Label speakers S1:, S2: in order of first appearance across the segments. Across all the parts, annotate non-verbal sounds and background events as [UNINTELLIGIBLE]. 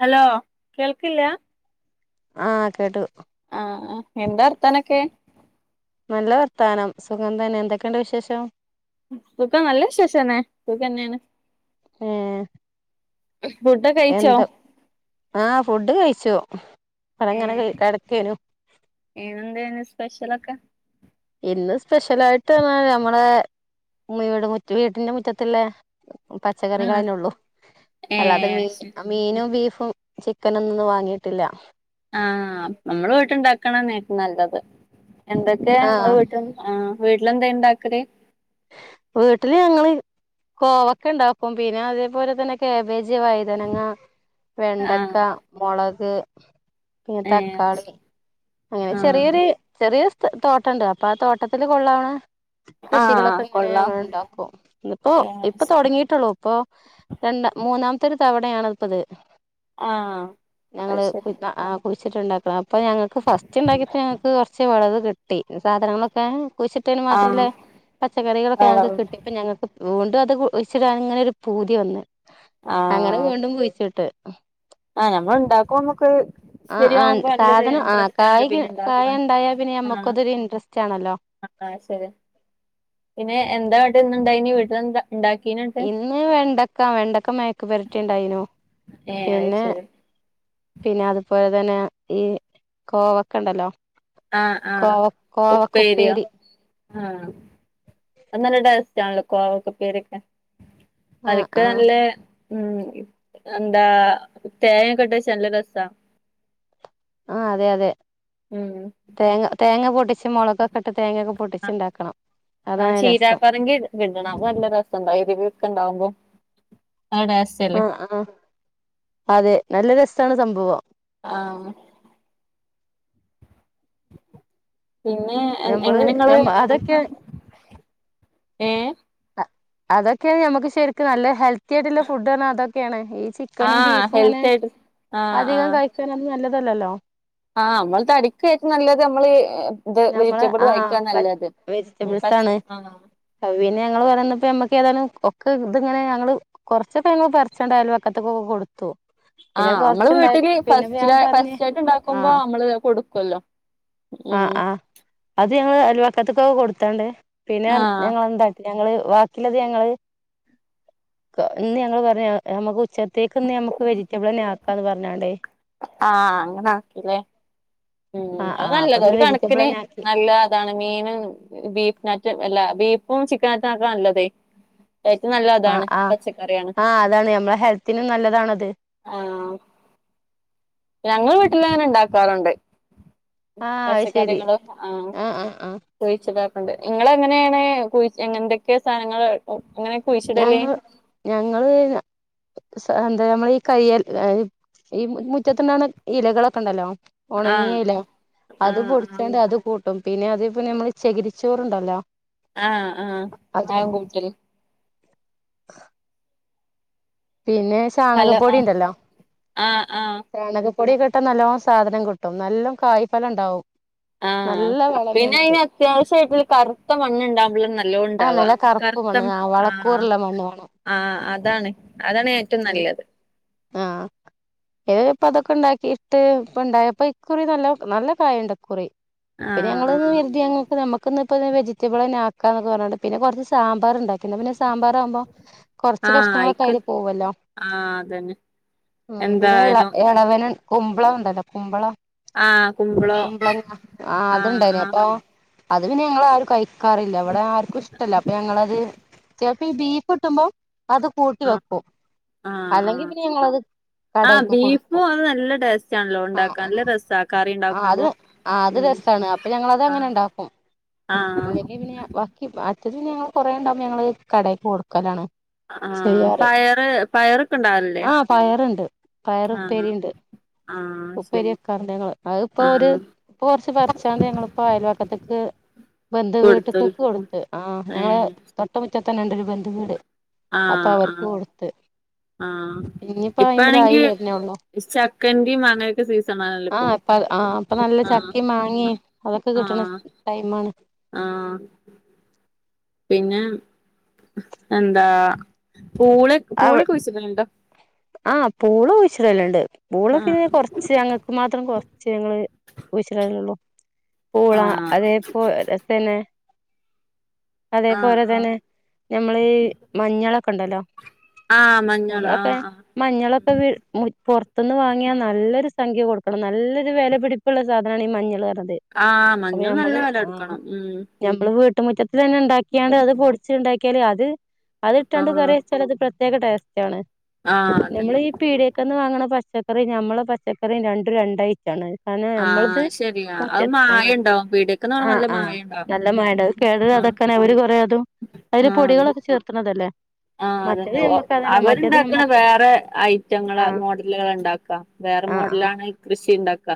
S1: Hello കേൾക്കില്ല.
S2: ആകേട്ടു.
S1: ആ എന്താ വർത്ഥാനൊക്കെ.
S2: നല്ല വർത്താനം. സുഖം തന്നെ. എന്തൊക്കെണ്ട് വിശേഷം.
S1: സുഖം. നല്ല വിശേഷംന്നെ സുഖന്നേണ്.
S2: ഏഹ്
S1: ഫുഡ്
S2: എന്ത. ആ ഫുഡ് കഴിച്ചു ഇവടെ ഇ ങ്ങനെ കടക്കേനു.
S1: ഇന്നെന്തേന്ന് സ്പെഷൊലക്കെ.
S2: ഇന്ന് സ്പെഷ്യലായിട്ട് പറ്ഞ്ഞാ ഞമ്മളെ വീട്ടിന്റെ മുറ്റത്ത്ല്ലെ.
S1: ആഹ്
S2: പച്ചക്കറികളെന്നെള്ളു അല്ലാതെ
S1: ഏഹ്
S2: മീ
S1: ശരി
S2: മീനും ബീഫും ചിക്കനൊന്നുംഇന്ന് വാങ്ങിട്ടില്ല
S1: ആഹ് നമ്മള് വീട്ടുണ്ടാക്കണന്നേക്കും നല്ലത് എന്തൊക്കെ നമ്മളെ
S2: ആഹ്
S1: വീട്ട് ആഹ് വീട്ടിലെന്താ ഇണ്ടാക്കല്
S2: വീട്ടില് ഞങ്ങള് കോവക്ക ഇണ്ടാക്കും പിന്നെ അതേപോലെ തന്നെ കാബേജ് വൈതനങ്ങ വെണ്ടക്ക
S1: ആഹ്
S2: മൊളക് പിന്നെ
S1: ഏഹ്
S2: തക്കാളി അങ്ങനെ
S1: ആഹ്
S2: ചെറിയൊരു ചെറിയ ത തോട്ടുണ്ട് അപ്പൊ ആ തോട്ടത്തിൽ കൊള്ളണ
S1: ആഹ്
S2: കൃഷികളൊക്കെ അങ്ങനെ
S1: കൊള്ളാം
S2: ഞങ്ങള് ഇണ്ടാക്കും ഇന്ന് ഇപ്പോ ഇപ്പൊ
S1: ഏഹ്
S2: തുടങ്ങിട്ടുള്ളൂ ഇപ്പൊ രണ്ടാം മൂന്നാമത്തെ ഒരു തവണയാണ് ഇപ്പത്
S1: ആഹ് അത്
S2: ഞങ്ങള്
S1: ശരി
S2: [UNINTELLIGIBLE] കുയിച്ചിട്ടുണ്ടാക്ക അപ്പോൾ ഞങ്ങൾക്ക് ഫസ്റ്റ് ഇണ്ടാക്കിയപ്പോൾ ഞങ്ങൾക്ക് കുറച്ച് വിളവ് കിട്ടി സാധനങ്ങളൊക്കെ കുഴിച് ട്ടേന് മാത്രല്ലേ
S1: ആഹ്
S2: പച്ചക്കറികളൊക്കെ
S1: ആഹ്
S2: ഞങ്ങൾക്ക് കിട്ടിയപ്പം ഞങ്ങൾക്ക് വീണ്ടും അത് കുയ്ച്ചിടാനിഇങ്ങനെ ഒരു പൂതി വന്ന് അങ്ങനെ
S1: ആഹ്
S2: വീണ്ടും കുയിച്ചിട്ട്
S1: ആഹ് ഞമ്മൾ ഇണ്ടാക്കുമ്പൊ ഞമ്മക്ക്
S2: ആ ആ
S1: ശരിയാവുമ്പോ നല്ലൊരു
S2: സാധനം ആ
S1: ഇൻട്രസ്റ്റ് ആണല്ലോ
S2: കായ്
S1: പിന്നെ
S2: കായ
S1: ഇണ്ടാക്കാൻ
S2: ഉണ്ടായാ പിന്നെ
S1: ആഹ്
S2: നമ്മുക്കതൊരു ഇൻട്രസ്റ്റ് ആണല്ലോ
S1: അത് ശരി പിന്നെ എന്താ അവടെ ഇന്ന്ഇണ്ടായിനി വീട്ടലെന്താ ഇണ്ടാക്കീന്
S2: ഇന്ന് വെണ്ടക്ക വെണ്ടക്ക മെയ്ക്ക് പെരട്ടി ഇണ്ടായിനു
S1: ഏഹ് അത് ശരി
S2: പിന്നെ അതുപോലെ തന്നെ ഈ കോവക്ക ഇണ്ടല്ലോ
S1: ആഹ് ആഹ്
S2: കോവ
S1: ഉപ്പേരിയോ
S2: കോവക്കുപ്പേരി
S1: ആഹ് അത് നല്ല ടെസ്റ്റാണല്ലോ കോവക്കപ്പേരിയൊക്കെ
S2: ആഹ്
S1: അതിക്ക്
S2: ആഹ്
S1: നല്ല ഉം എന്താ തേങ്ങക്കെട്ട് വെച്ച നല്ല രസ
S2: ആഹ് അതെ അതെ
S1: ഉം
S2: തേങ്ങ തേങ്ങ പൊട്ടിച്ച് മുളകൊക്കെട്ട് തേങ്ങൊക്കെ പൊട്ടിച്ച്ഇണ്ടാക്കണം
S1: ആഹ്
S2: അതാണ് രസം
S1: ചീരാപ്പറങ്കി [UNINTELLIGIBLE] അത് നല്ല രസണ്ട എരിവക്കെ ഇണ്ടാവുമ്പോ അത് ടേസ്
S2: ആഹ് ആഹ് അതെ നല്ല രസാണ് സംഭവം
S1: ആഹ് പിന്നെ
S2: ഞമ്മള്
S1: എങ്ങനെങ്ങള്
S2: ഞമ്മ അതൊക്കെ
S1: ഏഹ്
S2: അതൊക്കെയാണ് ഞമ്മക്ക് ശരിക്ക് നല്ല ഹെൽത്തി ആയിട്ടുള്ള ഫുഡ്ഡ് ആണ് അതൊക്കെയാണ് ഈ ചിക് ക്കനും
S1: ആഹ്
S2: ബീഫും ഇങ്ങനെ
S1: ഹെൽത്തി ആയിട്ട് ആഹ്
S2: അധികം
S1: ആഹ്
S2: കഴിക്കാനൊന്നും നല്ലതല്ലല്ലോ
S1: ആഹ് നമ്മളെ തടിക്കെറ്റം നല്ലത് നമ്മള് ഇത്
S2: ഞമ്മള്
S1: വെജിറ്റബിള്
S2: ആഹ്
S1: കഴിക്കാ നല്ലത് ഉം പച്ച ആഹ്
S2: അത് പിന്നെ ഞങ്ങള് ഇബടെന്നപ്പോ ഞമ്മക്ക് ഏതായാനും ഒക്കെ ഇതിങ്ങനെ ഞങ്ങള് കോറച്ചൊക്കെ ഞങ്ങൾ പറിച്ചാണ്ട് അയൽവക്കത്തൊക്കെ കൊടുത്തു പിന്നെ
S1: ആഹ് നമ്മള്
S2: കൊറച്ചുണ്ടായി
S1: വീട്ടില്
S2: പിന്നെ ഞാൻ
S1: ഫസ്റ്റ്ലെ
S2: പറഞ്ഞ്
S1: ഫസ്റ്റായിട്ട് ഇണ്ടാക്കുമ്പോ
S2: ആഹ്
S1: നമ്മള് കൊടുക്കുവല്ലോ
S2: ആഹ്
S1: ഉം
S2: ആഹ് അത് ഞങ്ങള് അയൽവക്കത്തക്കെ കൊടുത്തണ്ട് പിന്നെ
S1: ആഹ്
S2: ഞങ്ങളെന്താ ഞങ്ങള് വാക്കിലത് ഞങ്ങള് ഇന്ന് ഞങ്ങള് പറഞ്ഞു ഞമ്മക്ക് ഉച്ച ത്തേക്ക്ന്ന് നമ്മക്ക് വെജിറ്റബിളന്നെ ആക്കാന്ന് പറഞ്ഞാണ്ടേ
S1: ആഹ് അങ്ങനെ ആക്കിലെ ഉം
S2: ആഹ്
S1: അത്
S2: ആഹ് അപ്പൊ
S1: നല്ലത
S2: ഇന്ന്
S1: ഒരു കണക്കിന്
S2: വെജിറ്റബിളെന്നെ ആക്കി
S1: നല്ല താണ് മീന് ബീഫിനാറ്റും എല്ല ബീഫും ചിക്കനക്കായി അതാ നല്ലതെ ഏറ്റം നല്ലത്
S2: ആഹ്
S1: അതാണ്
S2: ആഹ്
S1: പച്ചക്കറിയാണ്
S2: ആഹ് അതാണ് നമ്മളെ ഹെൽത്തിനും നല്ലതാണത്
S1: ആഹ് ഞങ്ങള് വീട്ടില് അങ്ങനെ ഇണ്ടാക്കാറുണ്ട്
S2: ആഹ് അത് ശരി
S1: പച്ചക്കറികള് ആഹ് കുയിച്ചിടാ ഒക്കെണ്ട് ഇങ്ങളെ എങ്ങനേണ് കുയിഎങ്ങെ എന്തൊക്കെയേ സാനങ്ങള് ഇങ്ങനെ കുയിച്ചിടല്
S2: ഞങ്ങള്ന്ന സ എന്താ നമ്മള് കയ്യേൽ അത് ഈ മു മുറ്റത്ത് ഇണ്ടാവ്ണ ഇലകളൊക്കെ ഇണ്ടല്ലോ
S1: ആഹ്
S2: ഒണങ്ങിയ ഇല അത്
S1: ആഹ് ആഹ്
S2: പൊടിച്ചാണ്ട് അത് കൂട്ടും പിന്നെ അതിപ്പൊ നമ്മള് ചെകിരിച്ചോറ് ഇണ്ടല്ലോ
S1: ആഹ് ആഹ് അതും കൂട്ടിയാല്
S2: ആഹ് പിന്നെ
S1: ഹലോ
S2: സാണകപ്പൊടി
S1: ആഹ്
S2: ഇണ്ടല്ലോ
S1: ആഹ് ആഹ്
S2: ചാണകപ്പൊടി ഒക്കെ ഇട്ടാ നല്ലോണം സാധനം കിട്ടും നല്ലം കായ്ഫലം ഇണ്ടാവും
S1: ആഹ് പിന്നെ ഐന് അത്യാവെശ്യായിട്ട്ള്ളത് കറ്ത്തമണ്ണ് ഇണ്ടാവുമ്പളും ന ല്ലവും
S2: ആ
S1: ഇണ്ടാവാ
S2: നല്ല കറുപ്പ് മണ്ണ്
S1: കർത്തം
S2: ആ
S1: ആഹ്
S2: വളക്കൂറുള്ള മണ്ണ് വേണം
S1: ആഹ് അതാണ് അതാണ് ഏറ്റവും നല്ലത്
S2: ആഹ് ഏഹ് ഇപ്പതൊക്കെ ഇണ്ടാക്കിയിട്ട് ഇപ്പ ഇണ്ടായപ്പൊ ഇക്കുറി നല്ല നല്ലകായണ്ട് ഇക്കുറി പിന്നെ
S1: ആഹ്
S2: ഞങ്ങളും
S1: ആഹ്
S2: കെര്തി ഞങ്ങക്ക് നമ്മ ക്ക് ഇന്ന് ഇപ്പന്ന് വെജിറ്റബിളെന്നെ ആക്കാനാെക്കെ പർണ് ട്ട് പിന്നെ കൊറച്ച് സാമ്പാറ് ഇണ്ടാ ക്കി ഇന്നാ പിന്നെ സാമ്പാറാവുമ്പൊ കൊറച്ച്
S1: ആഹ്
S2: കഷ്ണങ്ങളൊക്കെ
S1: ആയിക്കൽ
S2: ഐല് പോവല്ലോ
S1: ആഹ് അതെന്നെ
S2: ഉം പിന്നെ എള എളവന് കുമ്പളം ഇണ്ടല്ലോ കുമ്പളം
S1: ആഹ് കുമ്പളോ
S2: കുമ്പളങ്ങ ആഹ് അത് ഇണ്ടായിനി അപ്പോ അത് പിന്നെ ഞങ്ങളാരും കഴിക്കാറില്ല ഇവെടാര്ക്കും ഇഷ്ടല്ല അപ്പ ഞങ്ങളത് ചെൽപ്പാെ ഇബീഫ് കിട്ടുമ്പാെ അത്കൂട്ടി
S1: ആഹ്
S2: വെക്കും
S1: ആഹ് ആഹ്
S2: അല്ലെങ്കി പിന്നെ ഞങ്ങളത്
S1: ആഹ്
S2: കടേക്ക് കൊടുക്കും
S1: ബീഫുംഅതും നല്ല ടേസ്റ്റാൺലോ ഇണ്ടാക്കാൻ നല്ലരസാ കറി ഇണ്ടാക്കുമ്പൊ
S2: ആഹ് അത് രസാണ് അപ്പൊ ഞങ്ങളതങ്ങനെ ഇണ്ടാക്കും
S1: ആഹ്
S2: ഇല്ലെങ്കി പിന്നെ ഞ വാ ക്കി അറ്റത് പിന്നെ ഞങ്ങള് കൊറേ ഇണ്ടാവ്മ്പാെ ഞങ്ങള് കടേക്ക് കൊട്ക്കലാണ്
S1: ആഹ് പയറ് പയറൊക്കെ ഉണ്ടാവലില്ലേ
S2: ആഹ് പയറ് ഇണ്ട് പയറ്
S1: ആഹ്
S2: ഇപ്പേരിം ഇണ്ട്
S1: ആഹ് ശരി
S2: ഉപ്പേരി വെക്കാറ്ണ്ട് ഞങ്ങള് അത് ഇപ്പോ ഒര്
S1: ആഹ്
S2: ഇപ്പ കൊറച്ച് പറിച്ചാണ്ട് ഞങ്ങള് ഇപ്പോ അയൽവക്കത്ത്ക്ക് ബെന്ധുവീട്ട്കാെക്കെ
S1: കൊടുത്തല്
S2: കൊടുത്ത് ആഹ് ഞങ്ങള്
S1: ഏഹ്
S2: തൊട്ട മുറ്റത്തന്നെ ഇണ്ടൊരു ബന്ധുവീട്
S1: ആഹ് ആഹ് ആഹ്
S2: ഇഞ്ഞ് ഇപ്പ ഐമല്
S1: ഇപ്പാണെങ്കി
S2: ആയിവെര്നൊള്ളു
S1: ചക്കന്റെയും മാങ്ങയൊക്കെ സീസണാണല്ലോ ഇപ്പൊ
S2: ആഹ് ഇപ്പത് ആഹ് ഇപ്പ നല്ല
S1: ആഹ്
S2: ചക്കിം മാങ്ങിം അതൊക്കെ കിട്ട്ണ
S1: ആഹ്
S2: ടൈമാണ്
S1: ആഹ് പിന്നെ എന്താ പൂളെക് പൂളെക്കെ കുഴിച്ച് ഇടല് ഇണ്ടോ
S2: ആഹ് പൂള കുഴിച്ച് ഇടല്ണ്ട് പൂളപിന്നെ
S1: ആഹ്
S2: കൊറച്ച് ഞങ്ങ ക്ക് മാത്രം കൊറച്ച് ഞങ്ങള് കുയിച്ചിടലൊള്ളൂ പൂള
S1: ആഹ്
S2: അതേ പോലെതെന്നെ അതേ
S1: ആഹ്
S2: പോലെ
S1: ആഹ്
S2: തെന്നെ നമ്മള് മഞ്ഞളൊക്ക ഇണ്ടല്ലോ
S1: ആഹ് മഞ്ഞള് ആഹ് ആഹ്
S2: മഞ്ഞളൊക്ക വിൾ മുറി പൊർത്ത്ന്ന് വാങ്ങിയാ നല്ലൊരു സംഖ്യ കൊട്ക്കണം നല്ലെരു വെലപിടി പ്പ്ള്ള സാധനാണ് ഈ മഞ്ഞള് അർണത്
S1: ആഹ് മഞ്ഞൾന് നല്ല വെലൊട്ക്കണം ഉം
S2: ഞമ്മള് വീട്ട് മുറ്റത്ത് തെന്നെ ഇണ്ടാക്കിയാണ്ട് അത് പൊടിച്ച് ഇണ്ടാക്കിയാല് അത് അത്
S1: ആഹ്
S2: ഇട്ടാണ്ട്കറിവെച്ചാ ചെലത് പ്രത്യേകടേസ്റ്റ്ണ്
S1: ആഹ് അതന്നെ
S2: നമ്മളഈപീടേക്കന്ന് വാങ്ങണ പച്ചക്കറി നമ്മളെ പച്ചക്കറി രണ്ടും രണ്ടായി ട്ടാണ് കാരണം നമ്മളത്
S1: ആഹ് ശരിയാ അത്
S2: മുറ്റത്ത് ആ
S1: മായണ്ടാവും പീടിയക്ക്ന്ന് പറഞ്ഞ
S2: ആഹ്
S1: നല്ല
S2: ആഹ്
S1: മായണ്ടാവും ഉം
S2: നല്ലമയുടെ കേട്
S1: ആഹ്
S2: വരാതൊക്കന് അവര് കെറെ അതും അയില്
S1: ആഹ്
S2: പൊടികളൊക്കെ ചേർക്ക്ണതല്ലേ
S1: ആഹ് അതെന്നെ അവരുണ്ടാക്ക്ണെ വേറെ
S2: ആ
S1: റ്റങ്ങളേ മോഡലുകള് ഇണ്ടാക്കാ വേറെ
S2: ആ ആ
S1: മോഡലാണെ കൃഷി ഇണ്ടാക്ക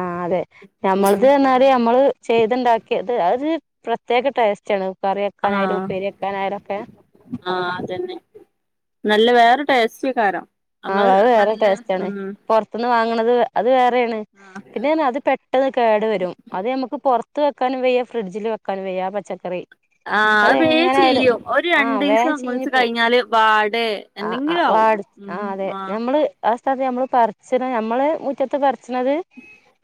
S2: ആഹ് അതെ ഞമ്മൾത് പറ്ഞാല് ത് നമ്മള് ചെയ്ത്ണ്ടാക്കിയത് അത് പ്രത്യേകടേസ്റ്റ്ണ് കറിവെക്കാനായയാലും
S1: ആഹ്
S2: ഉപേരിയെക്കാനായാലോക്കെ
S1: ആഹ് അതന്നെ നല്ല വേറെ ടേസ്റ്റെയ്ക്കാരം
S2: ആഹ് അത് വേറെ ടേസ്റ്റ് ആണ് പുറത്തുന്ന് വാങ്ങണത് അത് വേറെയാണ്
S1: ആഹ്
S2: പിന്നെ അത് പെ ട്ടെന്ന് കേടു വരും അത് നമുക്ക് പുറത്ത് വെക്കാനും വയ്യാ ഫ്രിഡ്ജിൽ വെക്കാനും വയ്യ ആ പച്ചക്കറി
S1: ആഹ്
S2: അത്
S1: അയ് വേ
S2: എങ്ങനായാലും
S1: ചീയ്യും ഒരു രണ്ടു
S2: ആഹ് വേഗം
S1: ദിവസം മൂന്ന്
S2: ചീഞ്ഞു
S1: ദിവസം
S2: പോവും
S1: കഴിഞ്ഞാല് വാടെ എന്തെങ്കിലും ആകും ഉം ആഹ്
S2: നമ്മള് ആ സ്ഥലത്ത് നമ്മള് പറിച്ചണെ നമ്മള് മുറ്റത്ത് പറിച്ച്ണത്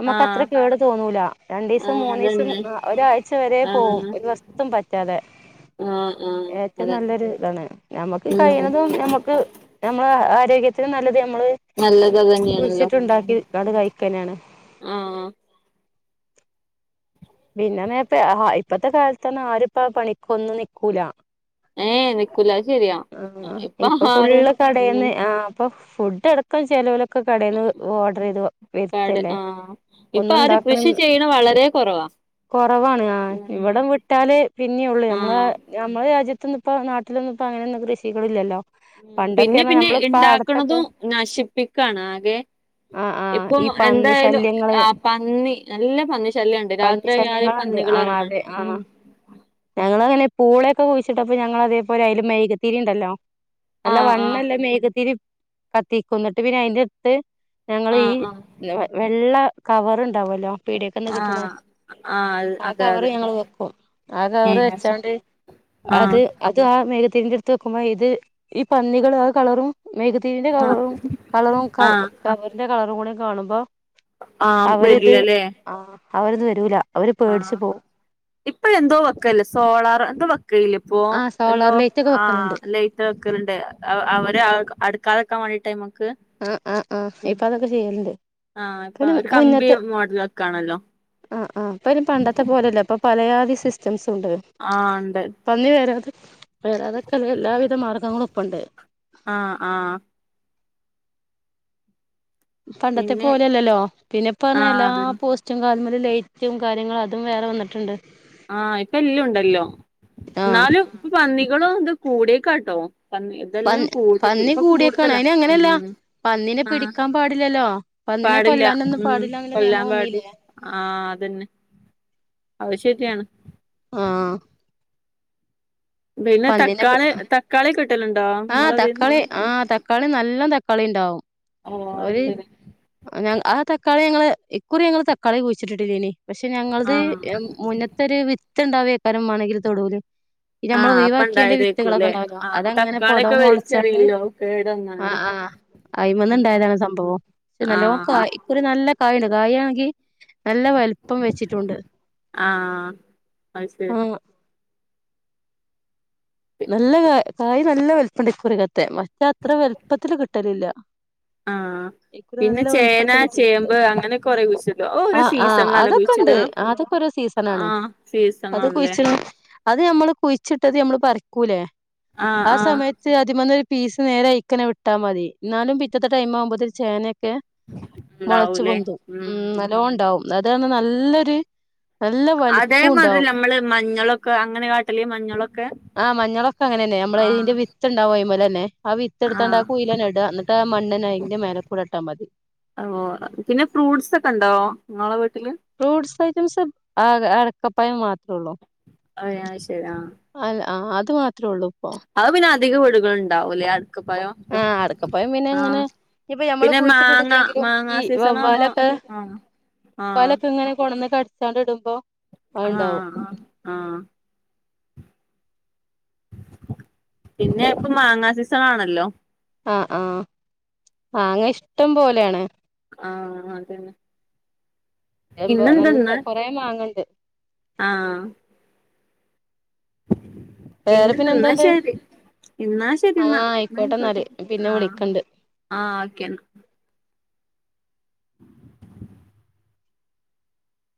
S2: നമുക്ക് അത്ര
S1: ആഹ്
S2: കേട് തോന്നൂല രണ്ട് ദിവസം
S1: ആഹ്
S2: മൂന്നു ദിവസം
S1: അതന്നെ
S2: ഒരാഴ്ച വരെ പോവും
S1: ആഹ്
S2: ഒരു വസത്തും പ റ്റാതെ
S1: ആഹ് ആഹ്
S2: ഏറ്റവും
S1: അതന്നെ
S2: നല്ലൊരു ഇതാണ് നമ്മക്ക്
S1: ഉം
S2: കഴിയുന്നതും ഞമ്മക്ക് ആരോഗ്യത്തിന് നല്ലത് നമ്മള്
S1: നല്ലത് അതന്നെയാണല്ലോ
S2: കുഴിച്ചിട്ടുണ്ടാക്കി അത് കഴിക്കാനെയാണ്
S1: ഉം
S2: പിന്നെപെ ഇപ്പത്തെ കാലത്ത് തന്നെ ആരും ഇപ്പ ആ പണിക്കൊന്നും നിക്കൂല
S1: ഏഹ് നിക്കൂല അത് ശരിയാ
S2: ആഹ് ഇപ്പൊ
S1: ആരും
S2: ഫുള്ള്
S1: ഉം
S2: കടയിന്ന് ആഹ് ഇപ്പൊ ഫുഡ് അടക്കം ചെലോല് ഒക്കെ കടെന്ന് ഓർഡർ ചെയ്ത്
S1: കട
S2: വരുത്തല്ലേ ഒന്നും ഉണ്ടാക്കണ
S1: ഒക്കെ വളരെ കുറവാ
S2: കുറവാണ് ആഹ് ഇവിടം വിട്ടാലേ പിന്നെയെള്ളൂ നമ്മളെ
S1: ആഹ്
S2: ഞമ്മളെ രാജ്യത്ത്ന്ന ഇപ്പോ നാട്ടിലൊന്നും ഇപ്പോ അങ്ങനെയൊന്നും കൃഷികള് ഇല്ലല്ലോ
S1: ഉം പിന്നെ പിന്നെ ഉണ്ടാക്കണതും നശിപ്പിക്കാണ് ആകെ
S2: ആ ആ
S1: ഇപ്പൊ
S2: ഈ പന്നി
S1: എന്തായാലും
S2: ശല്യങ്ങള്
S1: ആ പന്നി നല്ല പന്നി ശല്യണ്ട്
S2: പന്നി
S1: രാത്രിയാതെ
S2: ശല്യങ്ങളുണ്ട്
S1: പന്നികൾ ഇറങ്ങാൻ ഉ
S2: ഞങ്ങങ്ങനെ പൂളൊക്കെ കുഴിച്ചിട്ടപ്പപ്പോ ഞങ്ങൾ അതേപലെ അയ്ല് മേഗ്ത്തീരി ഇണ്ടല്ലോ നല്ല
S1: ആഹ് ആഹ്
S2: വണ്ണല്ല മെഴുകുതിരി കത്തിക്കും എന്നിട്ട് പിന്നെ അയിൻ്റെ ഞങ്ങള് ഈ
S1: ആഹ്
S2: വെള്ള കവർ ഇണ്ടാവല്ലോ പീടിയൊക്കന്ന് കിട്ടണെ
S1: ആഹ് ആഹ് ആഹ് അയ്
S2: ആ കവറ് ഞങ്ങള് വെക്കും ആ കവറ്
S1: ആഹ്
S2: വെച്ചോണ്ട്
S1: ആഹ്
S2: അത് അത് ആ മെഴുകുത്തിറിൻ്റ അടുത്ത് വെക്കുമ്പോ ഇത് ഈ പന്നികളും ആ കളറും മെഴുകു മെഴുകുതിരീന്റെ കവറും കളറും
S1: ആഹ്
S2: കവറിന്റെ കളറും കൂടി കാണുമ്പോ
S1: ആഹ്
S2: അവരത്
S1: വരില്ലല്ലേ
S2: ആ അവരത് വരൂല അവര് പേടിച്ചു പോവും
S1: ഇപ്പൊ എന്തോ വെക്കല് സോളാർ എന്തോ വെക്കല് ഇപ്പോ
S2: ആ
S1: എന്തോ
S2: സോളാർ ലൈറ്റ് ഒക്കെ വെക്കലുണ്ട്
S1: ആഹ് ലൈറ്റ് വെക്കലുണ്ട് അവര് അടുക്കാതെ നിക്കാൻ വേണ്ടി അയ്മ്മക്ക്
S2: ആഹ് ആഹ് ആഹ് ഇപ്പൊ അതൊക്കെ ചെയ്യല് ഇണ്ട്
S1: ആഹ് ഇപ്പ ഒരു കമ്പി മോഡല് ഒക്കെ ആണല്ലോ
S2: ആഹ് ആഹ് ഇപ്പം പണ്ടത്തെ പോലെയല്ലേ ഇപ്പ പലജാതി സിസ്റ്റംസ് ഉണ്ട്
S1: ആ ഇണ്ട്
S2: പന്നി വരാതെ വരാതൊക്കെല്ല എല്ലാവിധ മാർഗ്ഗങ്ങളും ഇപ്പം ഇണ്ട്
S1: ആഹ് ആഹ്
S2: പണ്ടത്തെ
S1: പിന്നെ
S2: പോലെയല്ലല്ലോ പിന്നെപ്പ ർഞ്ഞ
S1: ആഹ്
S2: എല്ലാ
S1: അതന്നെ
S2: പോസ് റ്റും കാൽ മല് ലൈറ്റും കാര്യങ്ങളും അതും വേറെ വന്നിട്ടുണ്ട്
S1: ആഹ് ഇപ്പ എല്ലാം ഉണ്ടല്ലോ
S2: ആഹ്
S1: എന്നാലും പന്നികളും ഇത് കൂടീക്കാട്ടോ പന്നി ഇതെല്ലാം
S2: പന്നി
S1: കൂതൽ
S2: പന്നി
S1: ഇപ്പൊ
S2: കൂടിയേക്കാണ്
S1: കൂടുതലാ
S2: അയ്ന് അങ്ങനെയല്ല
S1: ഉം
S2: പന്നിനെ
S1: ആഹ്
S2: പിടിക്കാൻ പാടില്ലല്ലോ പന്നിനെ
S1: പാടില്ല
S2: കൊല്ലാനൊന്നും
S1: ഉം
S2: പാടില്ല എന്നുള്ള
S1: കൊല്ലാൻ
S2: നിയമം
S1: പാടില്ല
S2: വന്നീല്ലേ
S1: ആഹ് അതന്നെ അത് ശരിയാണ്
S2: ആഹ്
S1: പിന്നെ
S2: പന്നിനെ പി
S1: തക്കാളി തക്കാളി കിട്ടല്ണ്ടോ
S2: ആഹ്
S1: നിങ്ങളതീന്ന്
S2: തക്കാളി ആഹ് തക്കാളി നല്ല തക്കാളി
S1: ഓഹ് അത് ശരി
S2: ഞ ആ തക്കാളി ഞങ്ങള് ഇക്കുറി ഞങ്ങള് തക്കാളി കുഴിച്ചിട്ടിട്ടില്ലേനി പക്ഷെ ഞങ്ങൾത്
S1: ആഹ്
S2: മുന്ന ത്ത ഒരു വിത്ത് ഉണ്ടാവേക്കാരം വാണെങ്കിൽ തൊടൂല് നമ്മൾ
S1: ആഹ് അപ്പ
S2: ഒഴിവാക്കിയന്റെ വിത്തുകളൊക്കെ
S1: ഇണ്ടായതേക്കൂല്ലേ
S2: ഉണ്ടാവുന്നോ
S1: ആഹ്
S2: അതങ്ങനെ പൊടവും
S1: തക്കാളിയൊക്കെ
S2: മുളച്ചണ്ട്
S1: വലിച്ചെറിയല്ലോ കേട് വന്നാണ്ട്
S2: ആഹ് ആഹ് അയിമന്ന്ണ്ടായതാണ് സംഭവം നല്ലോ
S1: ആഹ്
S2: കായ് ഇക്കുറി നല്ല കായുണ്ട് കായ് ആണെങ്കി നല്ല വലിപ്പം വെച്ചിട്ടുണ്ട്
S1: ആഹ് അത് ശരി
S2: ആഹ് നല്ല കാ കായ് നല്ല വലുപ്പംണ്ട് ഇക്കുറികത്തെ മറ്റ അത്ര വലുപ്പത്തില് കിട്ടലില്ല
S1: ആഹ്
S2: ഇക്കുറി
S1: പിന്നെ
S2: നല്ല
S1: ചേന
S2: വലിപ്പത്തി കിട്ടിയിട്ടുണ്ട്
S1: ചേമ്പ് അങ്ങനെ കൊറെ കുഴിച്ചിടോ അത് ഓരോ
S2: ആ ആ
S1: സീസൺലല്ല
S2: അതൊക്കെ
S1: കുഴിച്ചിട
S2: ഉണ്ട് അതൊക്കെ ഓരോ സീസണാണ്
S1: ആഹ്
S2: അത്
S1: സീസൺലാണ് ല്ലേ
S2: കുഴിച്ചിടും അത് നമ്മള് കുഴിച്ചിട്ടത് നമ്മള് പറിക്കൂലേ
S1: ആഹ്
S2: ആ
S1: ആഹ്
S2: സമയ ത്ത് അദിമന്ന് ഒരു പീസ് നേരെ അയ്ക്കനെ വിട്ടാ മതി എന്നാലും പിറ്റത്തെ ടൈം ആവുമ്പോത്ത് ചേനെ ക്കെ മുളച്ചു പൊന്തും ഉം നല്ലോണ്ടാവും അതാണ് നല്ലൊരു നല്ല വലിപ്പം
S1: അതേമാതിരി
S2: ഉണ്ടാവും
S1: നമ്മള് മഞ്ഞളൊക്കെ അങ്ങനെ കാട്ടല് മഞ്ഞളൊക്കെ
S2: ആഹ് മഞ്ഞളൊക്കെ അങ്ങനന്നെ നമ്മള് ഇതിന്റെ
S1: ആഹ്
S2: വിത്ത്ണ്ടാവും അയ്മലെന്നെ ആ വിത്ത്ട്ത്താണ്ട് ആ
S1: ആഹ്
S2: കുയ്യിലന്നെട എന്നിട്ട് ആ മണ്ണന്നെ അയ്ന്റെ മേലെക്കൂടെ ഇട്ടാ മതി
S1: ഓഹ് പിന്നെ ഫ്രൂട്ട്സ് ഒക്കെ ഉണ്ടോ ഇങ്ങളെ വീട്ടില്
S2: ഫ്രൂട്സ് ഐറ്റംസ് ആ അടക്കപ്പയം മാത്രൊള്ളൂ
S1: അയ് ആഹ് ശരി ആഹ്
S2: അല്ല ആ അത് മാത്രേ ഉള്ളൂ ഇപ്പൊ
S1: അത് പിന്നെ അധിക വീടുകൾള് ഉണ്ടാവൂല്ലേ അടക്കപ്പയം
S2: ആഹ് അടക്കപ്പയം പിന്നെ ഇങ്ങനെ ഇപ്പൊ ഞമ്മള്
S1: പിന്നെ മാങ്ങ
S2: കുഴിച്ചിട്ടിട്ടില്ലെങ്കിലും
S1: മാങ്ങാ
S2: ഈ
S1: സീസൺ ആവുമ്പോ
S2: വവ്വലൊക്കെ
S1: ആഹ് ആഹ്
S2: വ്വാലൊക്കെ ഇങ്ങനെ കൊട്ന്ന് കട്ച്ചാണ്ട് ഇടുമ്പോ അത്ണ്ടാവും
S1: ആഹ് ആഹ് പിന്നെ ഇപ്പൊ മാങ്ങാ സീസൺ ആണല്ലോ
S2: ആഹ് ആഹ് മാങ്ങ ഇഷ്ടം പോലെയാണ്
S1: ആഹ് അതന്നെ
S2: [UNINTELLIGIBLE] നല്ല
S1: പിന്നെന്തെന്നാ
S2: കൊറേ മാങ്ങണ്ട്
S1: ആഹ്
S2: വേറെ
S1: പിന്നെന്താ
S2: പിന്നെ
S1: ഇന്നാ
S2: എന്താണ്ട്
S1: ശരി എന്നാ ശരി
S2: ആഹ്
S1: ന്നാ എന്നയ്ക്കോട്ടെ
S2: ആയിക്കോട്ടെന്നാല് പിന്നെ
S1: ആഹ്
S2: വിളിക്കണ്ട്
S1: ആഹ് ഓക്കെ